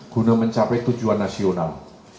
guna mencapai tujuan nasional